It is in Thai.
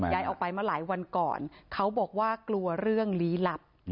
ย้ายออกไปมาหลายวันก่อนเขาบอกว่ากลัวเรื่องลี้ลับ